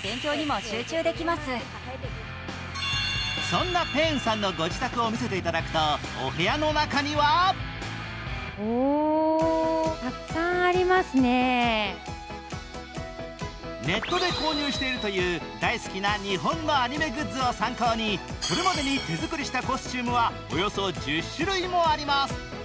そんなペーンさんのご自宅を見せていただくと、お部屋の中にはネットで購入しているという大好きな日本のアニメグッズを参考にこれまでに手作りしたコスチュームはおよそ１０種類もあります。